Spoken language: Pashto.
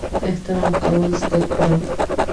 احترام کول زده کړه!